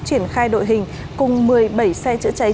triển khai đội hình cùng một mươi bảy xe chữa cháy